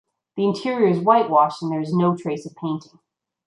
The interior is whitewashed and there is no trace of painting.